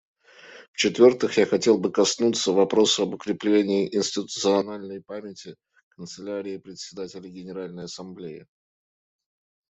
Вчетвертых, я хотел бы коснуться вопроса об укреплении институциональной памяти Канцелярии Председателя Генеральной Ассамблеи.